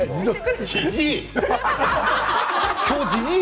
じじい！